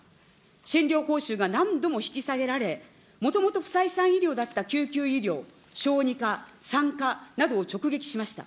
診療報酬が何度も引き下げられ、もともと不採算医療だった救急医療、小児科、産科などを直撃しました。